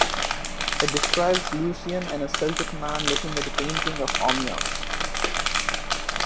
It describes Lucian and a Celtic man looking at a painting of Ogmios.